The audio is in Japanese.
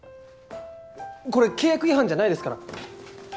これ契約違反じゃないですから！